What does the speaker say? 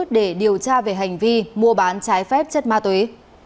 để điều tra về hành vi mua bán trái phép chất ma túy